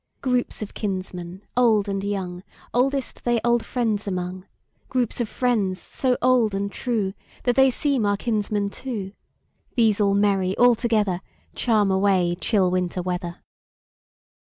Groups of kinsmen, old and young, Oldest they old friends among; Groups of friends, so old and trueThat they seem our kinsmen too; These all merry all togetherCharm away chill Winter weather.